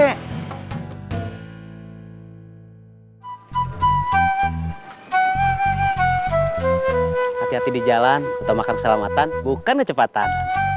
hati hati di jalan utamakan keselamatan bukan kecepatan